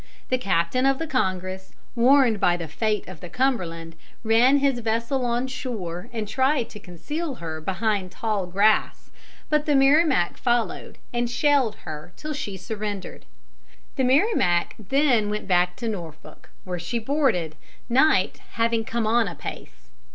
The captain of the Congress, warned by the fate of the Cumberland, ran his vessel on shore and tried to conceal her behind the tall grass, but the Merrimac followed and shelled her till she surrendered. The Merrimac then went back to Norfolk, where she boarded, night having come on apace.